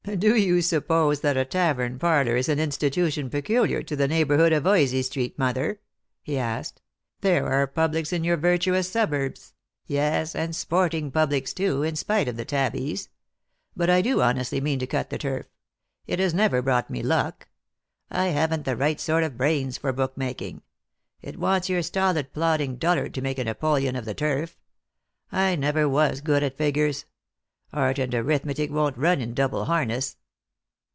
" Do you suppose that a tavern parlour is an institution peculiar to the neighbourhood of Voysey street, mother?" he asked. " There are publics in your virtuous suburbs — yes, and sporting publics, too — in spite of the tabbies. But I do honestly mean to cut the turf. It has never brought me luck. I haven't the right sort of brains for book making. It wants your stolid plodding dullard to make a Napoleon of the turf. I never was good at figures. Art and arithmetic won't run in double harness."